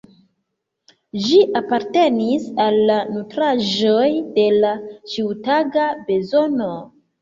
Ĝi apartenis al la nutraĵoj de la ĉiutaga bezono.